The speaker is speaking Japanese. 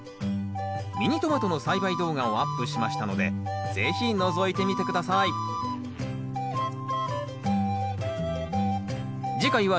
ミニトマトの栽培動画をアップしましたので是非のぞいてみて下さい次回は